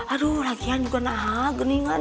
aduh lagian juga nahan